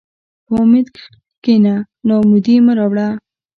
په امید کښېنه، ناامیدي مه راوړه.